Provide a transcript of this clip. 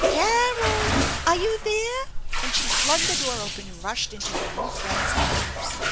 Car roZZ/ Are you there?" and she flung the door open and rushed into her new friend's arms.